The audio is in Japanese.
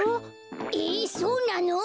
えそうなの？